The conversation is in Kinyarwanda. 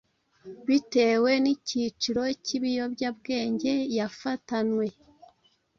bitewe n’icyiciro cy’ibiyobyabwenge yafatanwe